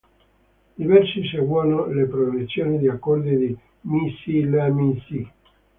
I versi seguono la progressione di accordi di Mi-Si-La-Mi-Si.